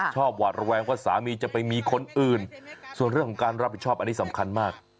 หวาดระแวงว่าสามีจะไปมีคนอื่นส่วนเรื่องของการรับผิดชอบอันนี้สำคัญมาก